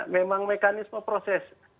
memang mekanisme proses